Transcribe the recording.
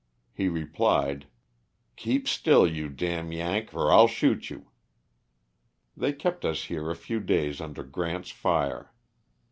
He replied, *'keep still you d n yank, or I'll shoot you." They kept us here a few days under G rant's fire.